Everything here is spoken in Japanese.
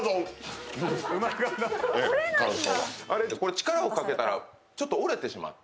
力をかけたらちょっと折れてしまって